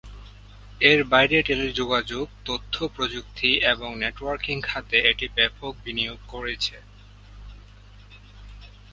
এর বাইরে টেলিযোগাযোগ, তথ্য প্রযুক্তি এবং নেটওয়ার্কিং খাতে এটি ব্যাপক বিনিয়োগ করেছে।